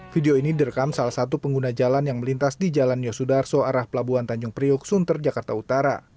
video ini direkam salah satu pengguna jalan yang melintas di jalan yosudarso arah pelabuhan tanjung priuk sunter jakarta utara